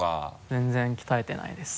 全然鍛えてないです。